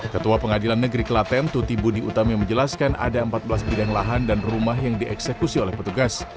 ketua pengadilan negeri kelaten tuti budi utami menjelaskan ada empat belas bidang lahan dan rumah yang dieksekusi oleh petugas